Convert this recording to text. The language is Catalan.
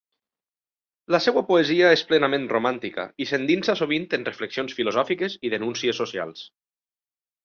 La seva poesia és plenament romàntica, i s'endinsa sovint en reflexions filosòfiques i denúncies socials.